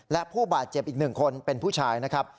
และผู้บาดเจ็บอีก๑คนเป็นผู้ชายนะครับ